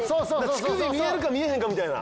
乳首見えるか見えへんかみたいな。